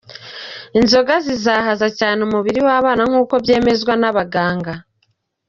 Inzoga zizahaza cyane umubiri w’abana nk’uko byemezwa n’abaganga.